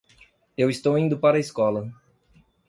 Eu estou indo para a escola.